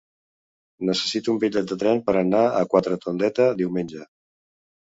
Necessito un bitllet de tren per anar a Quatretondeta diumenge.